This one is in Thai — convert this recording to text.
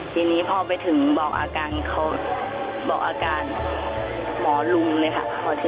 ทีนี้พอไปถึงบอกอาการเขาบอกอาการหมอลุงเลยค่ะ